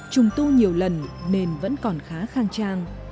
trùng tu nhiều lần nên vẫn còn khá khang trang